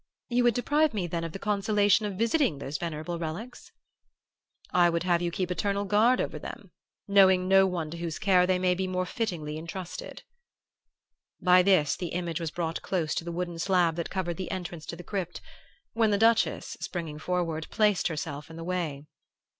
'You would deprive me, then, of the consolation of visiting those venerable relics?' "'I would have you keep eternal guard over them, knowing no one to whose care they may more fittingly be entrusted.' "By this the image was brought close to the wooden slab that covered the entrance to the crypt, when the Duchess, springing forward, placed herself in the way.